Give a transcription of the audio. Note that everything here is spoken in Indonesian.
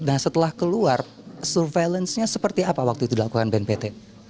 nah setelah keluar surveillance nya seperti apa waktu itu dilakukan bnpt